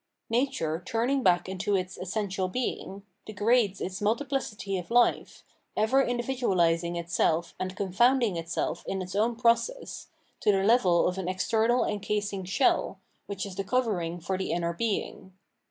Nature, turning back into its essen tial being, degrades its multiplicity of life, ever individualising itself and confounding itself in its own process, to the level of an external encasing shell, which is the covering for the inner being.